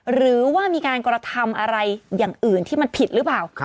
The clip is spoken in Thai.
หรือว่ามีการกระทำอะไรอย่างอื่นที่มันผิดหรือเปล่า